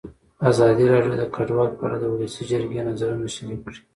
ازادي راډیو د کډوال په اړه د ولسي جرګې نظرونه شریک کړي.